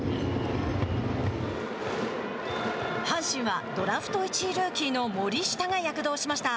阪神はドラフト１位ルーキーの森下が躍動しました。